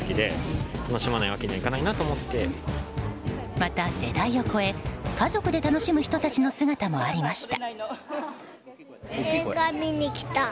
また、世代を超え、家族で楽しむ人たちの姿もありました。